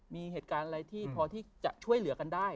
มีเหตุการณ์อะไรที่พอที่จะช่วยเหลือกันได้